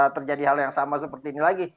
terjadi hal yang sama seperti ini lagi